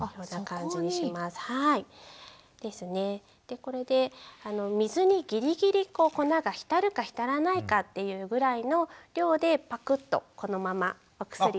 これで水にギリギリ粉が浸るか浸らないかというぐらいの量でパクッとこのままお薬を。